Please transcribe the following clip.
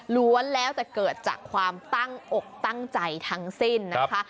ล้วนแล้วแต่เกิดจากความตั้งอกตั้งใจทั้งสิ้นนะคะ